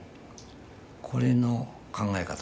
これの考え方